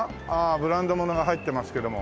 ブランド物が入ってますけども。